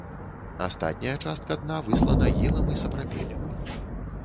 Астатняя частка дна выслана ілам і сапрапелем.